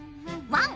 ワン！